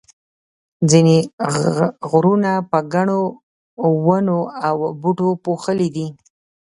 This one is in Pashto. ځینې غرونه په ګڼو ونو او بوټو پوښلي دي.